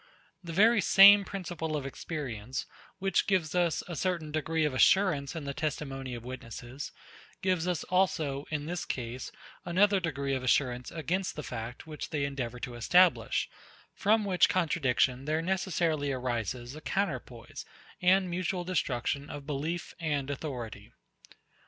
The very same principle of experience, which gives us a certain degree of assurance in the testimony of witnesses, gives us also, in this case, another degree of assurance against the fact, which they endeavour to establish; from which contradition there necessarily arises a counterpoize, and mutual destruction of belief and authority.